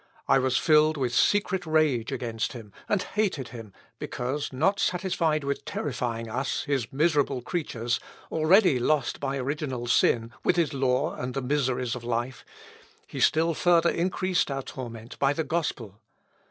I was filled with secret rage against him and hated him, because, not satisfied with terrifying us, his miserable creatures, already lost by original sin, with his law and the miseries of life, he still further increased our torment by the gospel....